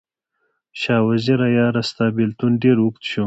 شاه وزیره یاره، ستا بیلتون ډیر اوږد شو